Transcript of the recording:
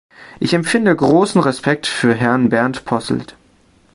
Ich empfinde großen Respekt für Herrn Bernd Posselt.